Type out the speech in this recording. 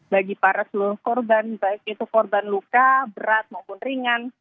bagi para seluruh korban baik itu korban luka berat maupun ringan